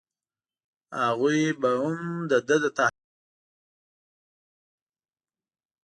هغوی به هم د ده د تحریک مخه ونه نیسي.